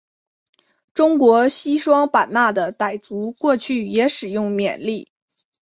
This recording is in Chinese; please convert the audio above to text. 中国西双版纳的傣族过去也使用缅历。